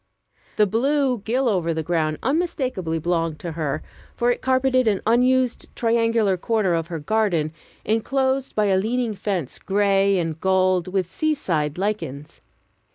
The blue gill over the ground unmistakably belonged to her, for it carpeted an unused triangular corner of her garden inclosed by a leaning fence gray and gold with sea side lichens.